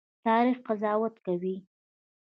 تاریخ قضاوت کوي